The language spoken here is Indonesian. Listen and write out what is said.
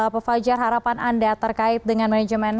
pefajar harapan anda terkait dengan manajemen